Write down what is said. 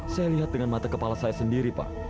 saya lihat dengan mata kepala saya sendiri pak